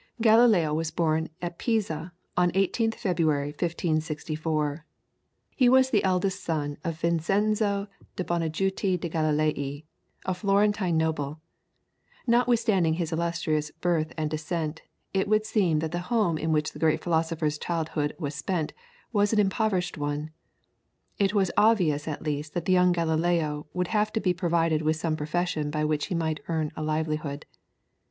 Galileo was born at Pisa, on 18th February, 1564. He was the eldest son of Vincenzo de' Bonajuti de' Galilei, a Florentine noble. Notwithstanding his illustrious birth and descent, it would seem that the home in which the great philosopher's childhood was spent was an impoverished one. It was obvious at least that the young Galileo would have to be provided with some profession by which he might earn a livelihood.